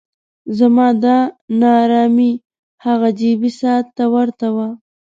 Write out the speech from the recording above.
زما دا نا ارامي هغه جیبي ساعت ته ورته وه.